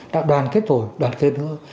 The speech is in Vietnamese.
đã đoàn kết rồi đoàn kết nữa